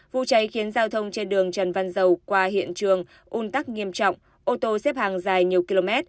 vụ cháy khiến giao thông trên đường trần văn dầu qua hiện trường un tắc nghiêm trọng ô tô xếp hàng dài nhiều km